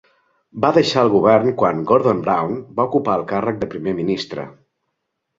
Va deixar el Govern quan Gordon Brown va ocupar el càrrec de primer ministre.